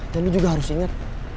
dan lu juga harus inget